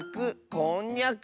「こんにゃく」。